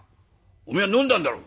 おめえが飲んだんだろう？」。